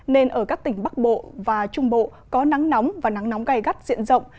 nên ở các tỉnh bắc bộ và trung bộ có nắng nóng và nắng nóng gai gắt diện rộng